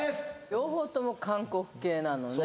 両方とも韓国系なのね